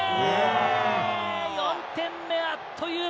４点目、あっという間！